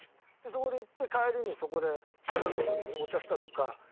そこに行って帰りにそこで中学の時にお茶したとか。